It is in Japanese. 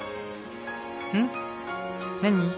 うん？何？